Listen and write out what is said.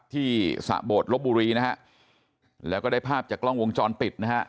สะโบดลบบุรีนะฮะแล้วก็ได้ภาพจากกล้องวงจรปิดนะฮะ